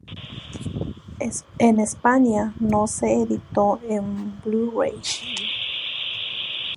En España no se editó en Blu-Ray.